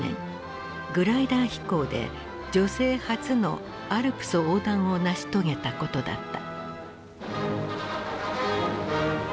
グライダー飛行で女性初のアルプス横断を成し遂げたことだった。